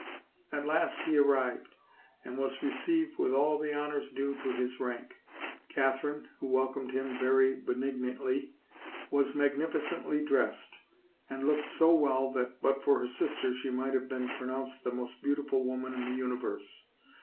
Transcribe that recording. At last he arrived, and was received with all the honors due to his rank. Katherine, who welcomed him very benignantly, was magnificently dressed, and looked so well that, but for her sister, she might have been pro nounced the most beautiful woman in the universe.